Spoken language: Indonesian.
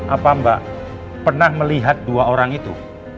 apa mbak pernah melihat dua orang itu